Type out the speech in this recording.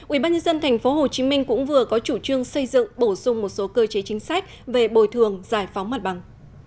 ubnd tp hcm cũng vừa có chủ trương xây dựng bổ sung một số cơ chế chính sách về bồi thường giải phóng mặt bằng